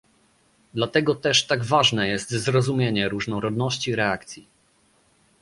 Dlatego też tak ważne jest zrozumienie różnorodności reakcji